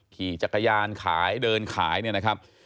ขี่จักรยานขายเดินขายเนี่ยนะครับ